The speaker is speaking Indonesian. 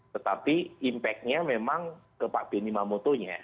tetapi impact nya memang ke pak benny mamotonya